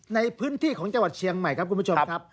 ในพื้นที่ของจังหวัดเชียงใหม่ครับคุณผู้ชมครับ